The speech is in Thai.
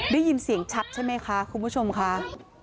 ได้ยินเสียงชัดใช่ไหมคะคุณผู้ชมค่ะ